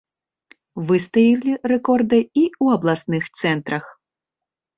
Выстаялі рэкорды і ў абласных цэнтрах.